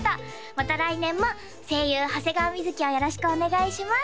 また来年も声優長谷川瑞をよろしくお願いします